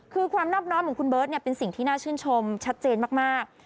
คือความนอบน้อมของคุณเบิร์ตเป็นสิ่งที่น่าชื่นชมชัดเจนมาก